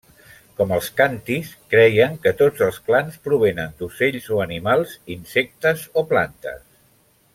Com els khantis, creien que tots els clans provenen d'ocells o animals, insectes o plantes.